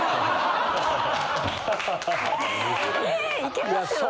いけますよ。